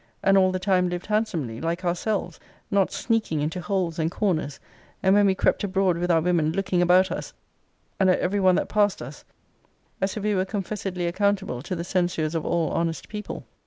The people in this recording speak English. and all the time lived handsomely like ourselves; not sneaking into holes and corners; and, when we crept abroad with our women, looking about us, and at ever one that passed us, as if we were confessedly accountable to the censures of all honest people.